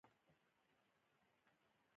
ایا زه برګر وخورم؟